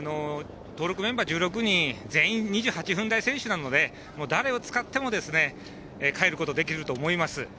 登録メンバー１６人全員、２８分選手なので、誰を使っても帰ることができると思います。